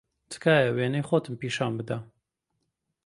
تکایە وێنەی خۆتم پیشان بدە.